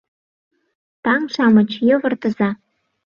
Таҥ-шамыч, йывыртыза!